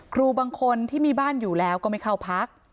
ครูบางคนที่มีบ้านอยู่แล้วก็ไม่เข้าพัก